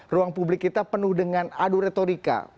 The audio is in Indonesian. ruang publik kita penuh dengan adu retorika